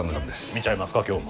見ちゃいますか今日も。